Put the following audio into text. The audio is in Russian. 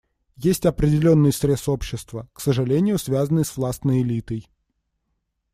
Есть определенный срез общества, к сожалению связанный с властной элитой.